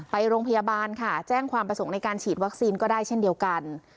ไปโรงพยาบาลค่ะแจ้งความประสงค์ในการฉีดวัคซีนก็ได้เช่นเดียวกัน